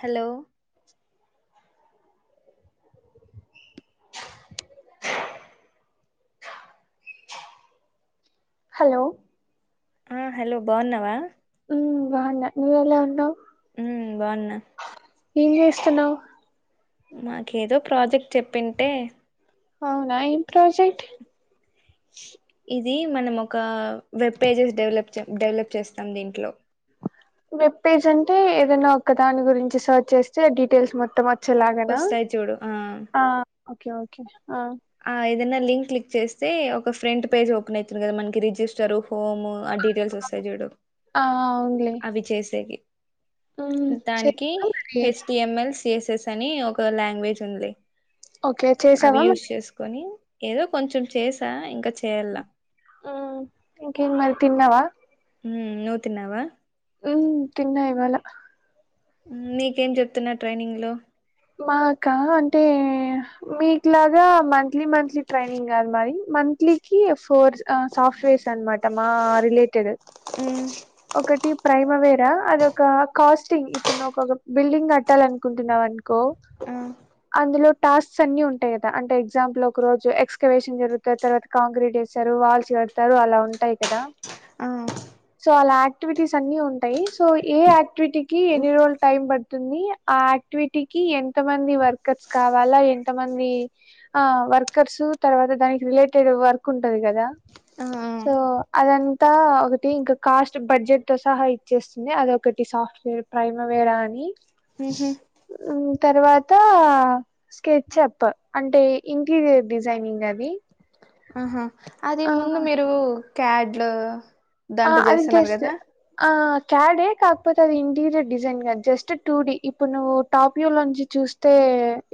hello hello ఆ hello బాగున్నావా ఉ బాగున్న నువ్వు ఎలా ఉన్నావు ఊ బాగున్నా ఏం చేస్తున్నావ్ నాకేదో ప్రాజెక్ట్ చెప్పింటే అవునా ఏం ప్రాజెక్ట్ ఇది మనం ఒక వెబ్ పేజెస్ డెవలప్ డెవలప్ చేస్తాం దీంట్లో వెబ్ పేజ్ అంటే ఏదైనా ఒక దాని గురించి సెర్చ్ చేస్తే డీటెయిల్స్ మొత్తం వత్ చ్చలాగనా వస్తాయి చూడు ఆ హా ఓకే ఓకే హా ఆ ఏదైనా లింక్ క్లిక్ చేస్తే ఒక ఫ్రంట్ పేజ్ ఓపెన్ అవుతుంది కదా మనకి రిజిస్టర్ హోమ్ ఆ డీటెయిల్స్ వస్తు తాయి చూడు ఆ అవుంగల్ అవి చేసేవి దానికి చెయ్యి హెచ్డిఎంఎల్స్ ఎస్ ఎస్ అని ఒక లాంగ్వేజ్ అనిడ్ల్ ఓకే అవి చేసావా మరి యూసెస్ తీకొని ఏదో కొంచెం చేసా ఇంకా చేయల్ల ఉమ్ ఇంకేం మరి తిన్నావా ఉమ్ నువ్వు తిన్నావా ఉమ్ తిన్నా ఇవాళ నీకేం చెప్తున్నారు ట్రైనింగ్ లో మాకా అంటే మీకు లాగా మన్ లీ మంత్లీ ట్రైనింగ్ కాదు మరి మంత్లీ కి ఫోర్ ఆ సాఫ్టువేర్స్ అనమాట మా రిలేటడ్ ఉమ్ ఒకటి ప్రైమరీరా అదొక కాస్టింగ్ ఇప్పుడు ను ఒక బిల్డింగ్ కట్టాలి అనుకుంటున్నావు అను కో హూ అందులో టాస్క్స్ అన్ని ఉంటాయి కదా అంటే ఎగ్జంపుల్ ఒక రోజు ఎక్స్కరెషన్ జరుగుతద్ తర్వాత కాంక్రీట్ వేస్తారు వాల్స్ కడతారు అలా ఉంటాయి కదా ఆ సో అలా యాక్టివిటీస్ అన్ని ఉంటాయి సో ఏ యాక్టివిటీ కి ఎన్ని రోజుల టైం పడుతుంది ఆ యాక్టివిటీ టికి ఎంత మంది వర్కర్స్ కావాలా ఎంత మంది ఆ వర్కర్స్ తర్వాత దానికి రిలేటెడ్ వర్క్ ఉంటది కదా ఆ సో అదంతా ఒకటి ఇంకా కాస్ట్ బడ్జెట్ తో సహా ఇచ్చేస్తుంది అదొ ఒకటి సాఫ్ట్వేర్ ప్రైమవేరా అని మ్ హు మ్ తర్వాతా స్కెచ్ అప్ అంటే ఇంటీరియర్ డిజైనింగ్ అది ఆహా అది ఆ ముందు మీరు క్యాడ్లు ఆ దాంట్లో అది చేస్తున్నారు జస్ట్ కదా ఆ క్యాడే కాకపోతే అది ఇంటీరియర్ డిజైన్గా జస్ట్ టూడి ఇప్పుడు నువ్వు టాప్ వ్యూలో నుంచి చూస్ స్తె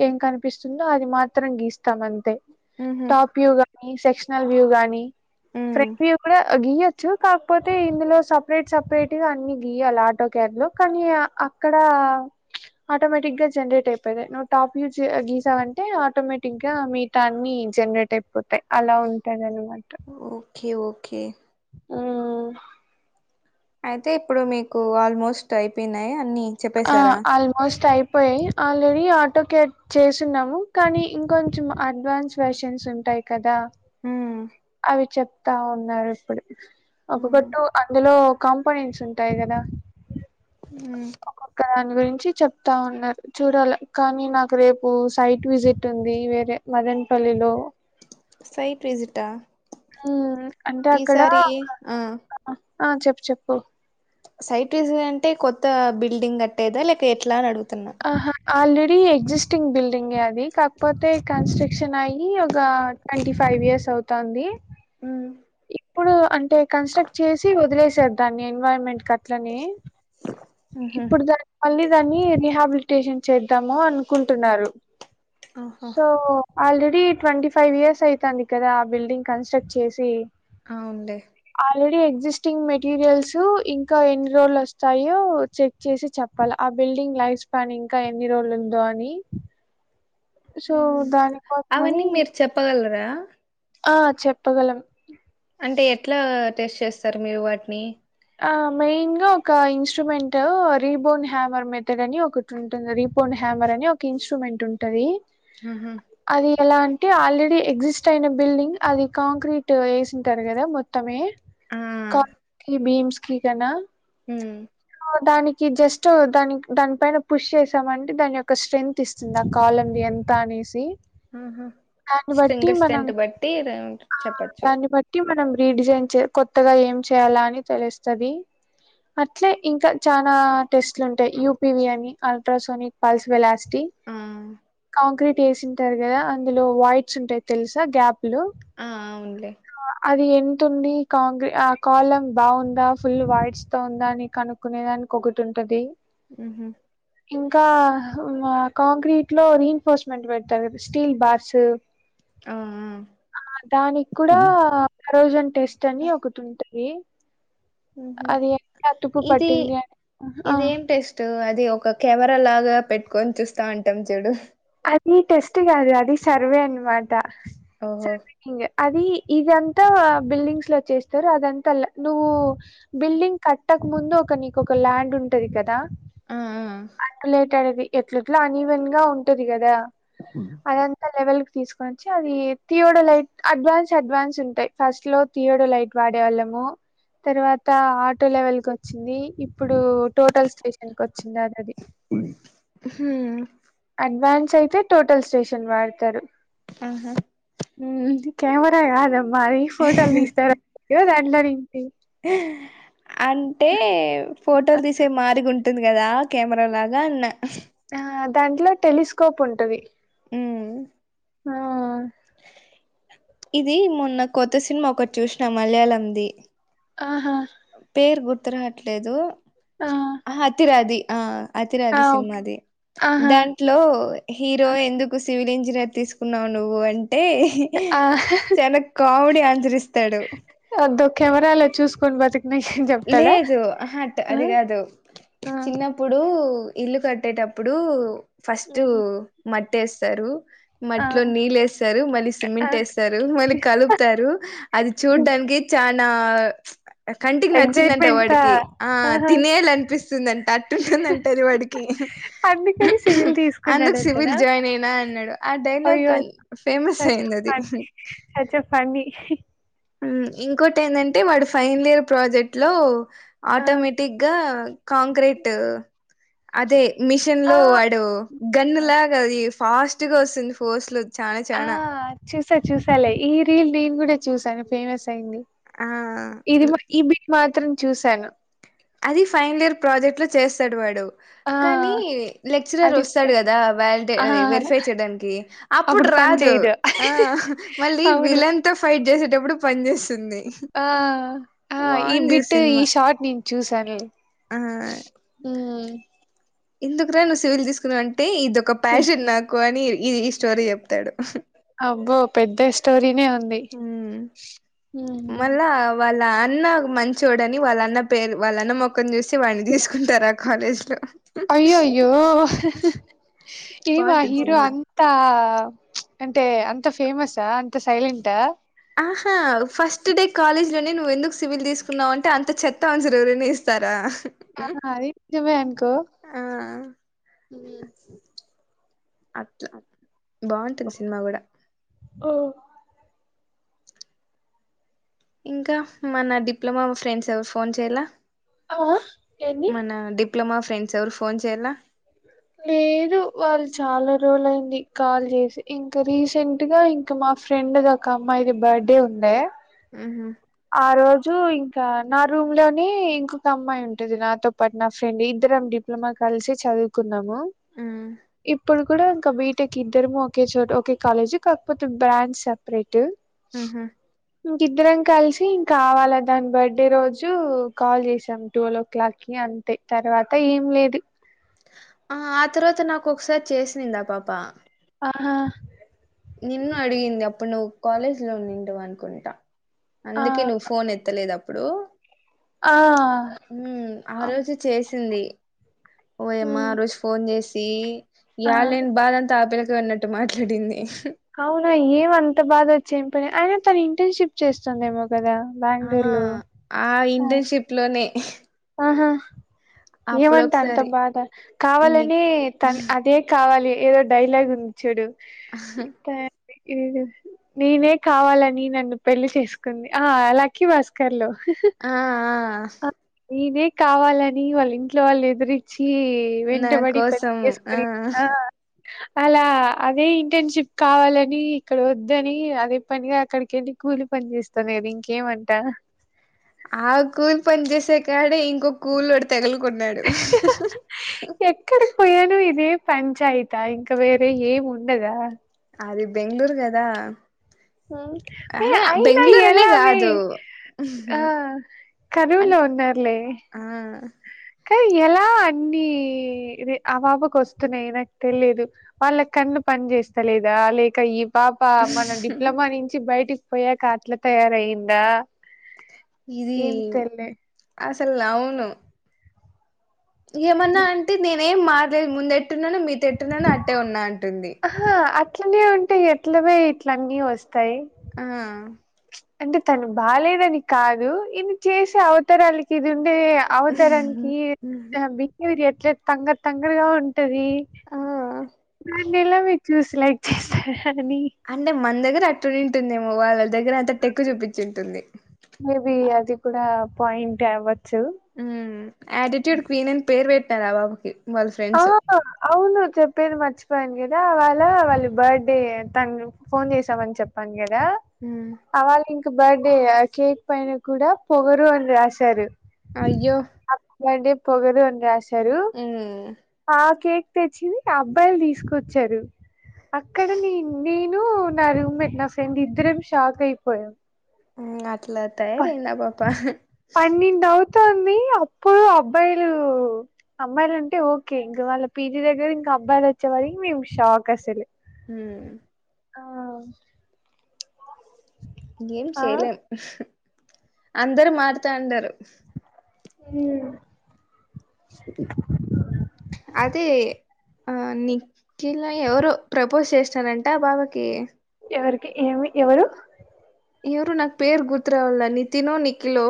ఏం కనిపిస్తుందో అది మాత్రం గీస్తాం అంతే ఉహు టాప్ వ్యూ గాని సెక్షనల్ వ్యూ గానీ ఉమ్ ఫ్రెం వ్యూ కూడా గియ్ ట్స్ కాకపోతే ఇందులో సపరేట్ సపరేట్ గా అన్ని గీయాలి ఆటో క్యాడ్ లో కానీ ఆ ఇక్కడా ఆటోమేటిక్ గా జనరేట్ అయితాయి నువ్వు టాప్ వివ్ చ్ గిసవంటే ఆటోమేటిక్ గా మీ తన్ని జనరేట్ అయిపోతాయి అలా ఉంటదనమాట ఓకే ఓకే మ్ అయితే ఇప్పుడు మీకు ఆల్మోస్ట్ అయిపోయినాయా అన్ని ఆ చెప్పేశారా ఆల్మోస్ట్ అయిపోయయ్ ఆల్రెడీ ఆటో క్యాడ్ చేసున్నాము కానీ ఇంకొంచం అడ్వాన్స్ వెర్షన్స్ ఉంటాయి కదా మ్ అవి చెప్తా ఉన్నారు ఇప్పుడు ఒక్కొక్క ఉమ్ ట్ అందులో కాంపనెంట్స్ ఉంటాయి కదా మ్ ఒక్క దాని గురించి చెప్తా ఉన్నారు చూడాలే కానీ నాకు రేపు సైట్ విజిట్ ఉంది వేరే మదన్పల్లిలో సైట్ పిజిటా మ్ అంటే అక్కడ ఆ ఆ చెప్పు చెప్పు సైట్ జ్విన్ అంటే కొత్త బిల్డింగ్ కట్టేదా లేక ఎట్లా అని అడుగుతున్నా ఆహా ఆల్రెడీ ఎగ్జిస్టింగ్ బిల్డింగ్ే అది కాకపోతే కన్స్ట్రక్షన్ అయ్యి ఒక ట్వంటీ ఫైవ్ ఇయర్స్ అవుతాంది ఉమ్ ఇప్పుడు అంటే కన్స్ట్రక్ట్ చేసి వదిలేసార్ దాన్ని ఎన్వైరాన్మెంట్ కట్లనె ఉహు ఇప్పుడు దాన్ని మళ్ళీ దాన్ని రీహాబిలిటేషన్ చేద్దాము అనుకుంటున్నారు ఆహా so already twenty five years అవుతాంది కదా ఆ బిల్డింగ్ కన్స్ట్రక్ట్ చేసి అవున్లే ఆల్రెడీ ఎగ్జిస్టింగ్ మెటీరియల్స్ ఇంకా ఎన్ని రోలు వస్తాయి య్యో చెక్ చేసి చెప్పాలి ఆ బిల్డింగ్ లైఫ్ స్పాన్ ఇంకా ఎన్ని రోజులు ఉందో అని సో దాని కొసమని ప్పగలరా ఆ చెప్పగలం అంటే ఎట్లా టెస్ట్ చేస్తారు మీరు వాటిని ఆ మెయిన్ గా ఒక ఇన్స్ట్రుమెంట్ రీబోన్ హ్యామర్ మెథడ్ అని ఒక ఉంటుంది రిపోడ్ హ్యామర్ అని ఒక ఇన్స్ట్రుమెంట్ ఉంటది మ్ హూ అది ఎలా అంటే ఆల్రెడీ ఎగ్జిస్ట్ అయిన బిల్డింగ్ అది కాంక్రీట్ వేసింటారు కదా మొత్తమే ఆ క కి బీమ్స్కి కనా ఉమ్మ్ ఓ దానికి జస్ట్ దానికి దాని పైన పుష్ చేసామంటే దాని యొక్క స్ట్రెంత్ ఇ స్తుంది ఆ కాలంది ఎంత అనేసి మ్మ్ఉమ్మ్ దాన్ని బట్టి స్ట్రింగస్ మనం స్ట్రెంత్ బట్టి ర చెప్పచ్చు కీ మనం రీడిజైన్ చే కొత్తగా ఏం చేయ్యాలా అని తెలుస్తాది ట్లే ఇంకా చానా టెస్ట్లు ఉంటాయి యూపివి అని అల్ట్రాసోనిక్ పల్స్ వెలా సిటీ ఆ కాంక్రీట్ ఏసి టారు కదా అందులో వాయిట్స్ ఉంటాయి తెలుసా గ్యాప్లు ఆ అవున్లే ఆ అది ఎంతుంది కాంగి ఆ కాలం బాగుందా ఫుల్ వైడ్స్‌తో ఉందా అని కనుక్కునేదానికి ఒకటి ఉంటది మ్మ్ఉమ్మ్ ఇంకా కాంక్రీట్లో రీ ఎన్ఫోర్స్మెంట్ పెడతారు కదా స్టీల్ బార్స్ ఉమ్మ్ ఉమ్మ్ ఆ దానికి కూడా ఫరోజన్ టెస్ట్ అని ఒకటి ఉంటది ఉహు అది ఎట్లా తుప్పు పట్టింది అని హా తో అది ఒక కెమెరా లాగా పెట్టుకొని చూస్తా ఉంటాం చూడు అది టెస్ట్ కాదు అది సర్వే అన్నమాట ఓహో ఇంగా అది ఇదంతా బిల్డింగ్స్‌లో చేస్తారు అదంతా ల్య నువ్వు బిల్డింగ్ కట్టకముందు ఒక నీకొక ల్యాండ్ ఉంటది కదా ఆ ఆ అట్‌ లేటేడ్ది ఎట్లట్లా అన్ఈవెన్‌గా ఉంటది కదా ఉమ్ అదంతా లెవెల్‌కి తీసుకోనొచ్చి అది తీయోడు లైట్ అడ్వాన్స్ అడ్వాన్స్ ఉంటాయి ఫస్ట్‌లో తీయోడు లైట్ వాడేవాళ్ళము తర్వాత ఆటో లెవెల్ కోచ్చింది ఇప్పుడు టోటల్ స్టేషన్ కోచ్చింది ఆల్రెడీ ఉమ్మ్ అడ్వాన్స్ అయితే టోటల్ స్టేషన్ వాడుతారు మ్మ్ఉమ్మ్ ఉహ్మ్ కెమెరా కాదమ్మా అది ఫోటోల్ తీస్తార్ [inaudible] దాంట్లో నుంచి అంటే ఫోటోలు తీసే మారిగుం టుంది కదా కెమెరా లాగా అన్న ఆ దాంట్లో టెలిస్కోప్ ఉంటది ఉమ్మ్ ఆహ్ ఇది మొన్న కొత్త సినిమా ఒకటి చూసిన మలయాళంది ఆహా పేరు గుర్తు రావట్లేదు ఆ అథిరాది ఆ ఆ అతిరాది ఓకే సినిమాది ఆహా దాం ట్లో హీరో ఎందుకు సివిల్ ఇంజనీర్ తీసుకున్నావు నువ్వు అంటే ఆ చాన కామెడీ ఆన్సర్ ఇస్తాడు అద్దో కెమెరాలో చూసుకొని బతి లేదు ఆహ్ అట్ అది కాదు ఆ చిన్న ప్పుడు ఇల్లు కట్టేటప్పుడు ఫస్ట్ మట్టేస్తారు ఆ మట్టిలో నీళ్ళు వేస్తారు మళ్ళీ సిమెంట్ వేస్ తారు మళ్ళీ కలుపుతారు అది చూడ్డానికి చానా కంటికి నచ్చిందంట ఎగ్జైట్మెంటా వాడికి ఆ ఆహా తినేయాల అనిపిస్తుందింట అట్టుంటుందంటేది వాడికి అందుకని సివిల్ అందుకు సివిల్ తీసుకున్నాడంటనా జాయిన్ అయినా అన్నాడు ఆ డైలాగ్ ఫేమస్ అయిందది అయితే ఫన్నీ హ్మ్ ఇంకోటి ఏందంటే వాడు ఫైనల్ ఇయర్ ప్రాజెక్ట్ లో ఆ ఆటోమేటిగ్గా కాంక్రీట్ అదే మిషన్ ఆ లో వాడు గన్ను లాగా అది ఫాస్ట్ గా వస్తుంది ఫోర్స్ లో చానా ఆ చానా చూసా చూసాలే ఈ రీల్ నేను కూడా చూసాను ఫేమస్ అయింది ఆ ఇది మా ఈ బిట్ మాత్రం చూసాను అది ఫైనలియర్ ప్రాజెక్ట్ లో చేస్తాడు వాడు ఆ కానీ లెక్చరర్ అది వస్తాడు ఫ- కదా వేలిడే ఆ వెరిఫై చేయడానికి అప్పుడు పని రాదు చేయదు ఆ మళ్ళీ అవును వీలంత్ తా ఫైట్ చేసేటప్పుడు పన్ చేస్తుంది ఆ ఆ ఈ బిట్ ఈ సినిమా షార్ట్ నేను చూసాను నేను ఆ హ్మ్ ఎందుకు రా నువ్వు సివిల్ తీసుకున్నావ్ అంటే ఇదొక ప్యాషన్ నాకు అని ఇ ఈ స్టోరీ చెప్తాడు అబ్బో పెద్ద స్టోరీనే ఉంది హ్మ్ ఉ మళ్ళా వాళ్ళ అన్న మంచోడని వాళ్ళ అన్న పేరు వాళ్ళన్న మొఖం చూసి వాడ్ని తీసుకుంటారు అట్ కాలేజ్ లో అయ్యయ్యో ఏమా బాగుంటుంది హీరో సినిమా అంతా అంటే అంత ఫేమస్సా అంత సైలెంటా ఆహా ఫస్ట్ డే కాలేజ్ లోనే నువ్వు ఎందుకు సివిల్ తీసుకున్నావు అంటే అంత చెత్త ఆన్సర్ ఎవరైనా ఇస్తారా కాదు అది నిజమే అనుకో ఆ అట్లా బాగుంటుంది సినిమా కూడా ఓ ఇంకా మన డిప్లమా ఫ్రెండ్స్ ఎవరు ఫోన్ చేయలా ఆ ఏంది మన డిప్ డిప్లమా ఫ్రెండ్స్ ఎవ్వరు ఫోన్ చేయలా లేదు వాళ్ళు చాలా రోజులయింది కాల్ చేసి ఇంకా రీసెంట్ గా ఇం ఇంక మా ఫ్రెండ్ ది ఒక అమ్మాయిది బర్త్డే ఉంది ఊహూ ఆ రోజు ఇంకా నా రూమ్ లోనే ఇంకొక అమ్మాయుంటది నాతో పాట్ నా ఫ్రెండ్ ఇద్దరం డిప్ మా కలిసి చదువుకున్నాము ఇప్పుడు కూడా ఇంకా బి టెక్ ఇద్దరమూ ఒకే చోట ఒకే కాలేజి కాకపోతే బ్రాంచ్ సప్రేటు ఉహు ఇంక ఇద్దరం కల్సి మేం కావాలా దాని బర్త్డే రోజు కాల్ చేసాం ట్వెల్వ్ ఓ క్లాక్ కి అంత తే తర్వాత ఏం లేదు ఆ ఆ తర్వాత నాకు ఒకసారి చేసిందా పాప ఆహా నిన్ను అడిగింది అప్పుడు నువ్వు కాలేజ్ లో ఉండిఉండవు అనుకుంటా ఆ అందుకే నువ్వు ఫోన్ ఎత్తలేదు అప్పుడు ఆ ఉమ్ ఆ రోజు చేసింది ఓయమ్మ హ్మ్ ఆ రోజు ఫోన్ చేసి ఆ ఇయలేన్ బాధంతా ఆ పిల్లతో అన్నట్టు మాట్లాడింది అవునా ఏమంత బాధ వచ్చేం పని అయిన తను ఇంటర్న్షిప్ చేస్ స్తోందేమో కదా బెంగుళూర్లో ట్లోనే ఆహా ఏమంట అంత ఒకసారి బాధ నీ కావాలనే తన్ అదే కావాలి ఏదో డైలాగ్ ఉంది చూడు ఆహ్హ్ కార్తే ఏదో నేనే కావాలని నన్ను పెళ్లి చేసుకుంది ఆ లక్కీ భాస్కర్లో ఆహ్హ్ నేనే కావాలని వాళ్ళ ఇంట్లో వాళ్ళని ఎదురిచ్చి నా వెంటబడి పెళ్ళి కోసం చేసుకో ఆ అలా అదే ఇంటర్న్షిప్ కావాలని ఇక్కడ వద్దని అదే పనిగా అక్కడికి ఎళ్ళి కూలి పన్ చేేస్తాది గదా ఇంకేమంట ఆ కూలి పని చేసే కాడే ఇంకొ కూలోడు తగులుకున్నాడు ఎక్కడికి పోయాను ఇదే పంచాయతా ఇంకా వేరే ఏం ఉండదా అది బెంగళూరు గదా ఉమ్ ఏ అయినా అనే ఎలా అవి కాదు ఆ అ కరువులో ఉన్నర్లే ఆ కాని ఎలా అన్ని ఆ బాబాకు వస్తున్నాయి నాకు తెలిదు వాళ్ళ కన్ను పని చేేస్తా లేదా లేక ఈ పాప మనం డిప్లామా నుంచి బయటిక్ పోయాక అట్లా తయారయిందా ఇది ఏం తెల్లే అసల్ అవును ఏమన్నా అంటే నేనేం మారలేదు ముందెట్టున్నానో మీతో ఎట్టున్నానో అట్టే ఉన్నా అంటుంది ఆహా అట్లనే ఉంటే ఎట్లనే ఇట్లన్నీ వస్తాయి ఆ అంటే తను బాలేదని కాదు ఇది చేసే అవతరాలి ఇది ఉండే అవతరానికి బిహేవియర్ ఎట్లట్ తొంగర్ తొంగరగా ఉంటది ఆ దాన్ని ఎలా మీరు చూసి లైక్ చేసారా అని అంటే మన దగ్గర అట్టుంటుందేమో వాళ్ళ దగ్గర అంత టెక్కు చూపించి ఉంటుంది మేబి అది కూడా పాయింటే అవ్వచ్చు మ్ ఆటిట్యూడ్ క్వీన్ పేరు పెట్టరా బాబుకి వాళ్ళ ఫ్రెండ్స్ అవున చెప్పేది మర్చిపోయాను కదా వాళ్ళ వాళ్ళు బర్డే తన్ను ఫోన్ చేసామని చెప్పాను కదా మ్ అవాలి బర్డే ఆ కేక్ పైన కూడా పొగరు అని రాశారు అయ్యో అట్లా గే పొగరు అని రాశారు మ్ ఆ కేక్ తెచ్చి అబ్బాయిలు తీసుకొచ్చారు అక్కడ నేను నేన్ ను నా రమ్మెంట్ నా ఫ్రెండ్ ఇద్దరం షాక్ అయిపోయాం మ్ అట్లా బా తయారయింది ఆ పాప పన్నెండు అవుతుంది అప్పుడు అబ్బాయిలు అమ్మాయిలు అంటే ఓకే ఇంక వాళ్ళ పీజీ దగ్గర ఇంకా అబ్బాయిలు వచ్చే వరకి మేము షాక్ అసలు మ్ ఆ ఇంగేమ్ చేయలేం అందరు మారుతా ఉన్నారు మ్ అదే ఆ ని ఖిలా ఎవరు ప్రపోజ్ చేస్తారంట బావకి ఎవరికి ఏమి ఎవరు ఎవరు నాకు పేరు గుర్తు రావట్ల నితినో నిఖిలో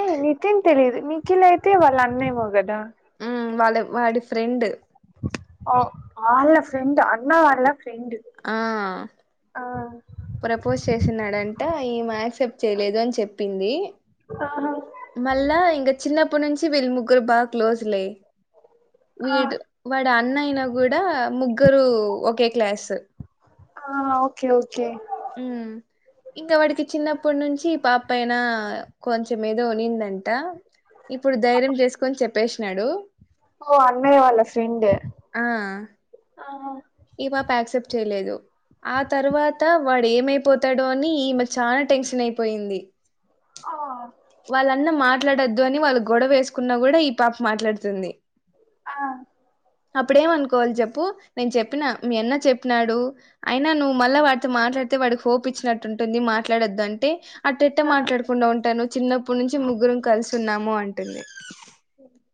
ఏ నితిన్ తెలీదు నిఖిల్ అయితే వాళ్ళ అన్నేమో కద ఉమ్ వాళ్ళ వాడి ఫ్రెండు ఒ వాళ్ళ ఫ్రెండ్ అన్న వాళ్ళ ఫ్రెండ్ ఆ ఆ ప్రపోజ్ చేసిన్నాడంటే ఈమె యాక్సెప్ట్ చేయలేదు అని చెప్పింది ఆహ మళ్ళా ఇంకా చిన్నప్పటి నుంచి వీళ్ళ ముగ్గురు బాగా క్లోజ్లే ఆ వీడ్ వాడు అన్న అయినా కూడా ముగ్గురు ఒకే క్లాస్ ఆ ఓకే ఓకే మ్ ఇంకా వాడికి చిన్నప్పటి నుంచి పాప అయినా కొంచెం ఏదో ఉనిందంట ఇప్పుడు ధైర్యం చేసుకొని చెప్పేసినాడు ఓ అన్నయ్య వాళ్ళ ఫ్రెండ్ ఆ ఈ పాప యాక్సెప్ట్ చేయలేదు ఆ తర్వాత వాడు ఏమైపోతాడో అని ఈమె చనా టెన్షన్ అయిపోయింది ఆ వాళ్ళన్న మాట్లాడొద్దు అని వాళ్ళు గొడవేసుకున్నా కూడా ఈ పాప మాట్లాడుతుంది ఆ అప్పుడేమనుకోవాలి చెప్పు నేను చెప్పిన మీ అన్న చెప్పినాడు అయినా నువ్వు మళ్ళా వాడితో మాట్లాడితే వాడికి హోప్ ఇచ్చినట్టు ఉంటుంది మాట్లాడొద్దు అంటే అట్టెట్ట మాట్లాడకుండా ఉంటాను చిన్నప్పటి నుంచి ముగ్గురం కలిసి ఉన్నాము అంటుంది మ్